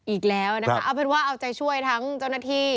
อีกแล้วนะคะเอาเป็นว่าเอาใจช่วยทั้งเจ้าหน้าที่